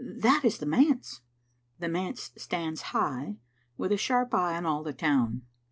That is the manse." The manse stands high, with a sharp eye on all the town.